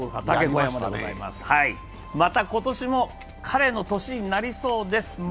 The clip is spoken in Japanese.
また今年も彼の年になそうです。